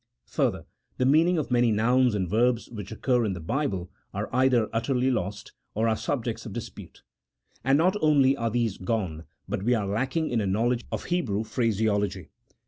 Further, the mean ing of many nouns and verbs which occur in the Bible are either utterly lost, or are subjects of dispute. And not only are these gone, but we are lacking in a knowledge of Hebrew phraseology.